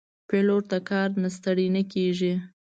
پیلوټ د کار نه ستړی نه کېږي.